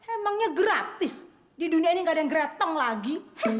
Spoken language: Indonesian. emangnya gratis di dunia ini gak ada yang gerateng lagi